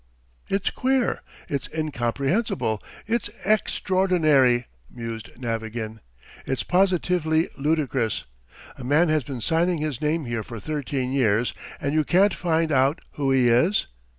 ..." "It's queer! It's incomprehensible! It's ex traordinary!" mused Navagin. "It's positively ludicrous. A man has been signing his name here for thirteen years and you can't find out who he is.